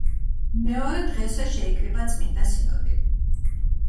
მეორე დღესვე შეიკრიბა წმიდა სინოდი.